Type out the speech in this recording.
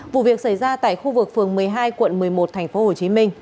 vụ việc xảy ra tại khu vực phường một mươi hai quận một mươi một tp hcm